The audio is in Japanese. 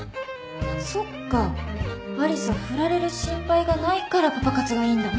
そっかアリサ振られる心配がないからパパ活がいいんだ。